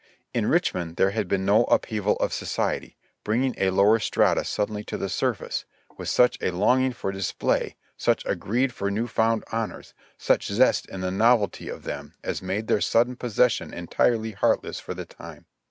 In Richmond there had been no upheaval of society, bringing a lower strata suddenly to the surface, w4th such a longing for dis play, such a greed for new found honors, such zest in the novelty of them as made their sudden possession entirely heartless for the time.